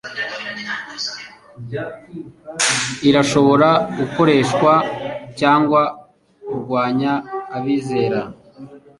irashobora gukoreshwa cyangwa kurwanya abizera